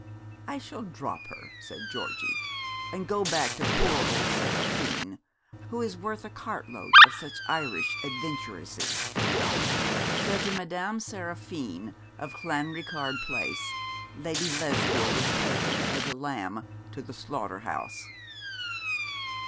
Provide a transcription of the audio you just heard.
'I shall drop her,' said Georgie, 'and go back to poor old Seraphine, who is worth a cartload of such Irish adventuresses.' So to Madame Seraphine, of Clanricarde Place, Lady Lesbia was taken as a lamb to the slaughter house.